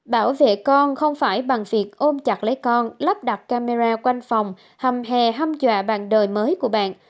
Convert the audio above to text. bảo vệ con không phải bằng việc ôm chặt lấy con lắp đặt camera quanh phòng hầm hè ham dọa bằng đời mới của bạn